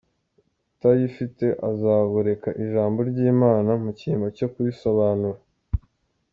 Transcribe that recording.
Utayifite azagoreka Ijambo ry’Imana mu cyimbo cyo kurisobanura.